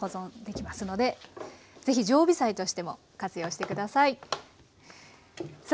ぜひ常備菜としても活用して下さい。